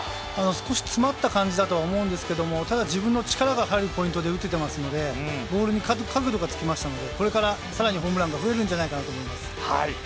少し詰まった感じだと思うんですけどもただ、自分の力が入るポイントで打てていますのでボールに角度がついてましたのでこれから更にホームランが増えるんじゃないかと思います。